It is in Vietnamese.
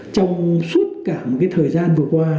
trong suốt cả một cái thời gian vừa qua